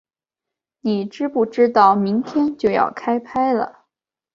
你知不知道明天就要开拍了